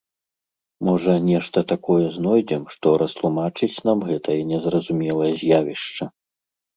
Можа, нешта такое знойдзем, што растлумачыць нам гэтае незразумелае з'явішча.